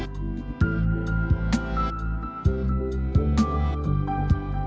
sebelum berdoa terwherean venerannya sudah palah mengalir belonging remoka dan fastengine